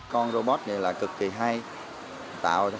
con robot này là cực kỳ hay tạo cho khách hàng thích